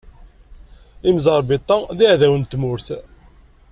Imẓeṛbeṭṭa d iɛdawen n tmurt.